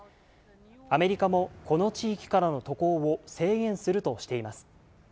アメリカもこの地域からの渡航を制限するとしています。